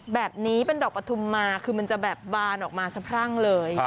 แบบนี้เป็นดอกประทุมมาคือมันจะแบบบานออกมาสะพรั่งเลย